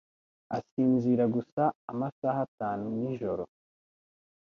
asinzira gusa amasaha atanu nijoro.